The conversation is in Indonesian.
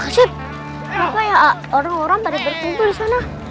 kasib kenapa ya orang orang pada berkumpul di sana